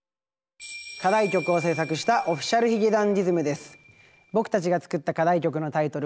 課題曲を制作したＯｆｆｉｃｉａｌ髭男ｄｉｓｍです。